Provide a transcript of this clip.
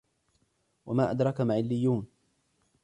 وَمَا أَدْرَاكَ مَا عِلِّيُّونَ